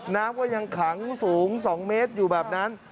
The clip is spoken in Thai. น้ำก็ยังขังสูง๒เมตรอยู่แบบนั้น